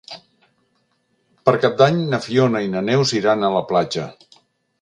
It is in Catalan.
Per Cap d'Any na Fiona i na Neus iran a la platja.